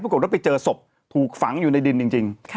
ปรากฏว่าไปเจอศพถูกฝังอยู่ในดินจริง